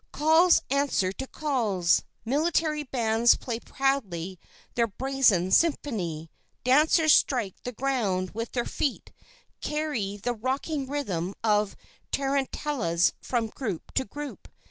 Calls answer to calls, military bands play proudly their brazen symphony; dancers strike the ground with their feet, carry the rocking rhythm of tarantellas from group to group.